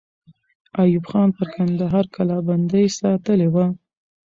ایوب خان پر کندهار کلابندۍ ساتلې وه.